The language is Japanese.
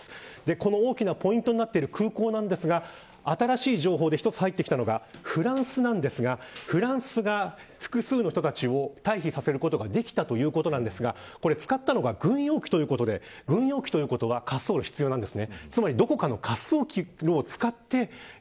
この大きなポイントになってる空港なんですが新しい情報で１つ入ってきたのがフランスなんですがフランスが、複数の人たちを退避させることができたということなんですが使ったのが軍用機ということで軍用機ということは滑走路が必要なんです。